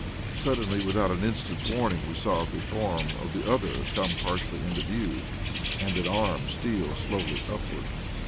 Suddenly, without an instant's warning, we saw the form of the other come partially into view, and an arm steal slowly upward.